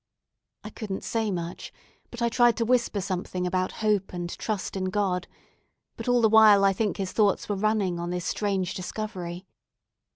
I couldn't say much, but I tried to whisper something about hope and trust in God; but all the while I think his thoughts were running on this strange discovery.